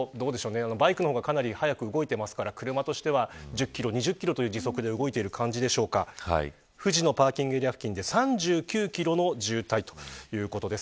バイクの方がかなり速く動いてますから車としては１０キロ２０キロという時速で動いてる感じでしょうか藤野パーキングエリア付近で３９キロの渋滞ということです。